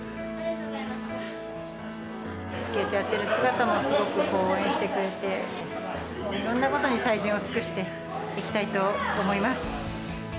スケートやってる姿もすごく応援してくれて、いろんなことに最善を尽くしていきたいと思います。